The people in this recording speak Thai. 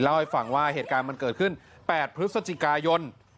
เล่าให้ฟังว่าเหตุการณ์มันเกิดขึ้น๘พฤศจิกายน